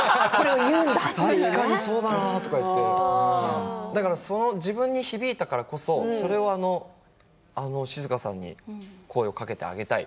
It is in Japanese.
確かにそうだなって自分に響いたからこそそれを静さんに声をかけてあげたい。